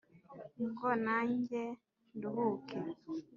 Ngo nanjye nduhuke